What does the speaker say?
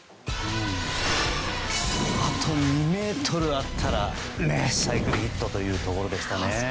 あと２ｍあったらサイクルヒットでしたね。